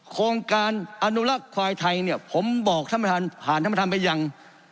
โครงการอนุรักษ์ควายไทยเนี่ยผมบอกท่านประธานผ่านท่านประธานไปยัง